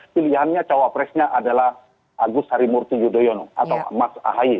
pilihannya cawapresnya adalah agus harimurti yudhoyono atau mas ahy